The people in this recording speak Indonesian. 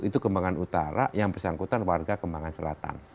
itu kembangan utara yang bersangkutan warga kembangan selatan